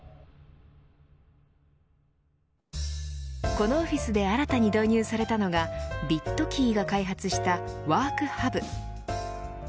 このオフィスで新たに導入されたのがビットキーが開発したｗｏｒｋｈｕｂ。